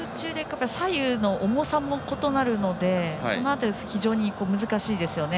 左右の重さも異なるのでその辺り、非常に難しいです。